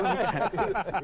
menurut saya harus menyisakan